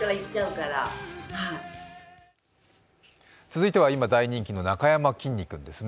続いては今、大人気のなかやまきんに君です。